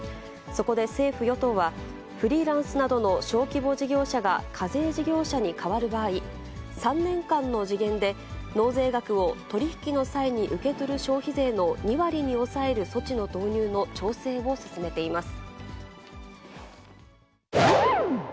そこで政府・与党は、フリーランスなどの小規模事業者が課税事業者に変わる場合、３年間の時限で、納税額を取り引きの際に受け取る消費税の２割に抑える措置の導入の調整を進めています。